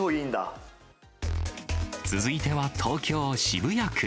続いては東京・渋谷区。